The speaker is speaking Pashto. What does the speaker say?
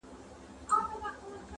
• ډېر له کیبره څخه ګوري و هوا ته..